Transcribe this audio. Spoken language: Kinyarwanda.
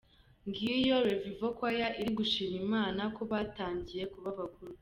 Ngiyo Revival Choir iri gushima Imana ko batangiye kuba bakuru.